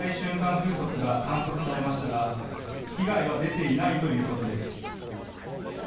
風速が観測されましたが被害は出ていないということです。